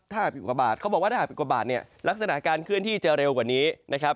เขาบอกว่าถ้าหากเป็นกุกบาทเนี่ยลักษณะการเคลื่อนที่จะเร็วกว่านี้นะครับ